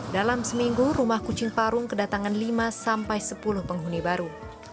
dalam seminggu rumah kucing parung kedatangan lima sampai sepuluh penghuni baru